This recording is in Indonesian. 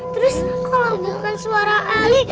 terus kalau bukan suara ali